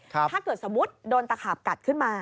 ถ้าเกิดสมมุติโดนตะขาบกัดขึ้นมา